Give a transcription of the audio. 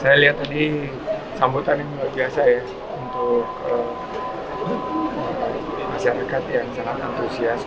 saya lihat tadi sambutan ini luar biasa ya untuk masyarakat yang sangat antusias